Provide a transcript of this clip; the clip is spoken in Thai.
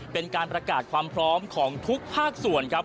เป็นการประกาศความพร้อมของทุกภาคส่วนครับ